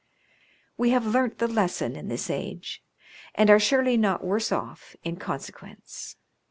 We have learnt the lesson in this age, and are surely not worse off in consequence.